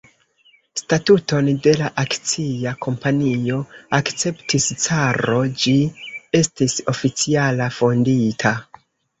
Statuton de la akcia kompanio akceptis caro; ĝi estis oficiala fondita.